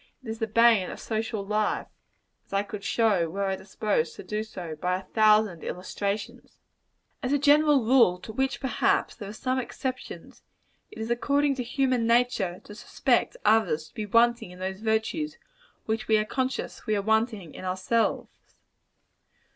It is the bane of social life as I could show, were I disposed to do so, by a thousand illustrations. As a general rule to which, perhaps, there are some exceptions it is according to human nature to suspect others to be wanting in those virtues which we are conscious we are wanting in ourselves.